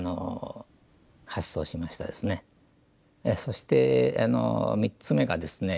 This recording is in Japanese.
そして３つ目がですね